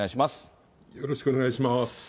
よろしくお願いします。